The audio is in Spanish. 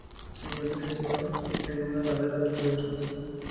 Se encuentra situada en una ladera del río San Juan.